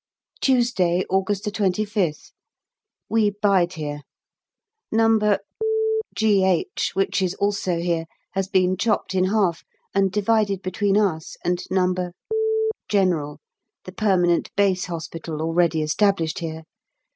Tuesday, August 25th. We bide here. No. G.H., which is also here, has been chopped in half, and divided between us and No. General, the permanent Base Hospital already established here.